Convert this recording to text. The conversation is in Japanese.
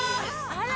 あら！